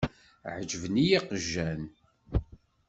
Ɛeǧben-iyi yeqjan.